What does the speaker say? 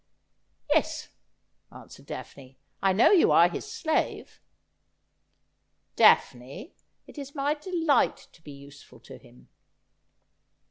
Yes,' answered Daphne ;' I know you are his slave.' ' Daphne, it is my delight to be useful to him.'